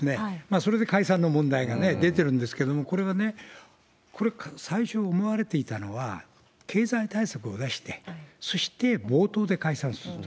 それで解散の問題が出てるんですけれども、これはね、これ、最初思われていたのは、経済対策を出して、そして冒頭で解散すると。